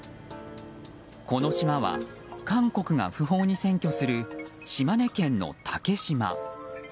この島は、韓国が不法に占拠する島根県の竹島。